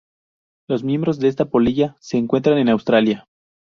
Los miembros de esta polilla se encuentran en Australia.